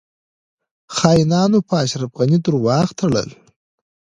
خاینانو په اشرف غنی درواغ تړل